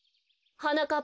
はなかっぱ？